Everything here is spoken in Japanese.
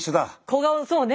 小顔そうね。